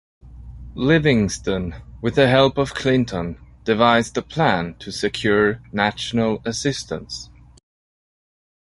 Livingston, with the help of Clinton, devised a plan to secure national assistance.